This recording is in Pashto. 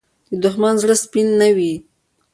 دښمن د زړه سپین نه وي